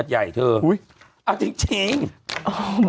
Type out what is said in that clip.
ฟังลูกครับ